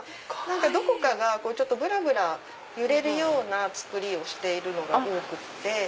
どこかがぶらぶら揺れるような作りをしているのが多くて。